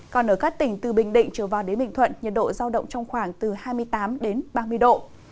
còn ở các tỉnh từ bình định trở vào đến bình thuận nhiệt độ giao động trong khoảng từ hai mươi tám ba mươi độ